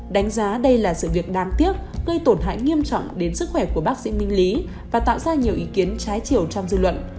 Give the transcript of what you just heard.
đánh giá đây là sự việc đáng tiếc gây tổn hại nghiêm trọng đến sức khỏe của bác sĩ minh lý và tạo ra nhiều ý kiến trái chiều trong dư luận